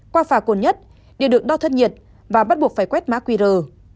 qua phà cồn nhất đều được đo thất nhiệt và bắt buộc phải quét má quy rờ